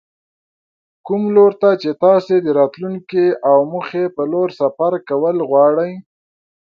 کوم لور ته چې تاسې د راتلونکې او موخې په لور سفر کول غواړئ.